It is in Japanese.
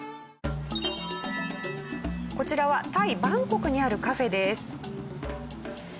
こちらはタイバンコクにあるカフェです。